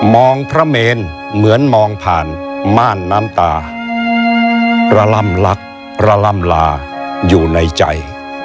มองพระเมนเหมือนมองผ่านมารน้ำตาลำลักลำลาอยู่ในใจ